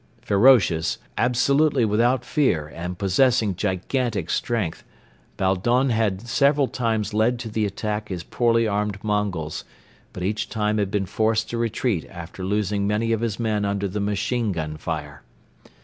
Ferocious, absolutely without fear and possessing gigantic strength, Baldon had several times led to the attack his poorly armed Mongols but each time had been forced to retreat after losing many of his men under the machine gun fire.